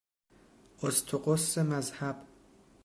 اسطقس مذهب